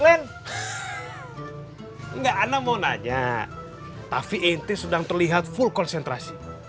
enggak anda mau nanya tapi enti sedang terlihat full konsentrasi